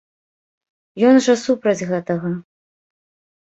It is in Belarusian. Ён жа супраць гэтага.